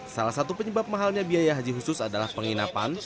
salah satu penyebab mahalnya biaya haji khusus adalah penginapan